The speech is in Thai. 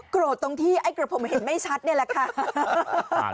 ตรงที่ไอ้กระผมเห็นไม่ชัดนี่แหละค่ะ